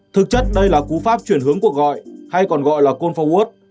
thực chất đây là cú pháp chuyển hướng cuộc gọi hay còn gọi là call forward